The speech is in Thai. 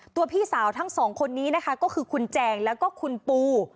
พี่สาวทั้งสองคนนี้นะคะก็คือคุณแจงแล้วก็คุณปู